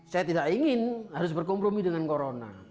saya tidak ingin harus berkompromi dengan corona